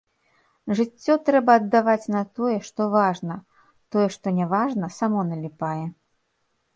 Жыццё трэба аддаваць на тое, што важна, тое, што не важна, само наліпае.